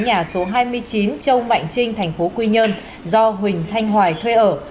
nhà số hai mươi chín châu mạnh trinh thành phố quy nhơn do huỳnh thanh hoài thuê ở